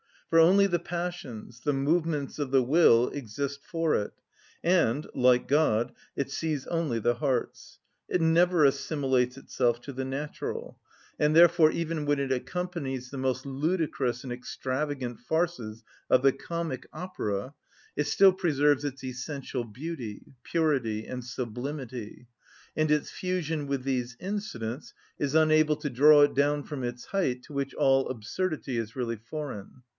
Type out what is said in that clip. For only the passions, the movements of the will, exist for it, and, like God, it sees only the hearts. It never assimilates itself to the natural; and therefore, even when it accompanies the most ludicrous and extravagant farces of the comic opera, it still preserves its essential beauty, purity, and sublimity; and its fusion with these incidents is unable to draw it down from its height, to which all absurdity is really foreign.